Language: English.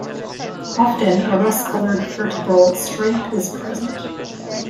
Often a rust-colored vertebral stripe is present.